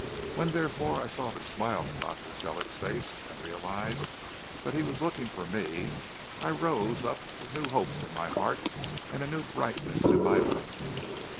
When, therefore, I saw the smile on Dr. Sellick's face, and realized that he was looking for me, I rose up with new hopes in my heart and a new brightness in my life.